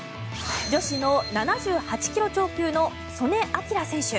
女子の７８ｋｇ超級の素根輝選手。